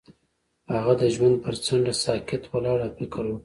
هغه د ژوند پر څنډه ساکت ولاړ او فکر وکړ.